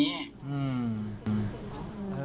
อืม